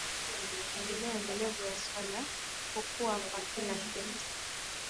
maendeleo endelevu ni suala la kukua kwa kila sekta